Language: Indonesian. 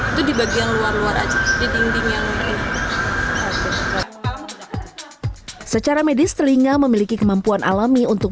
itu di bagian luar luar aja di dinding yang secara medis telinga memiliki kemampuan alami untuk